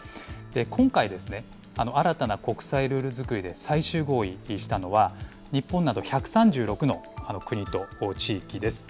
今回ですね、新たな国際ルール作りで最終合意したのは、日本など１３６の国と地域です。